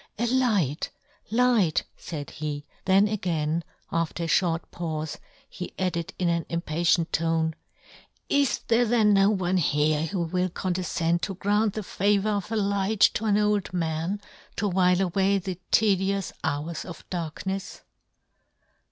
" A "light — light!" faidhe; then again, after a fhort paufe, he added in an impatient tone, " Is there then no " one here who will condefcend to " grant the favour of a light to an '3 98 "John Gutenberg. " old man, to while away the tedious " hours of darknefs